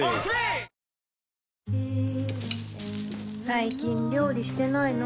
最近料理してないの？